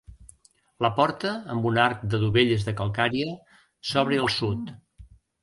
La porta, amb un arc de dovelles de calcària, s'obre al sud.